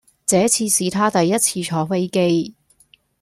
這次是她第一次坐飛機。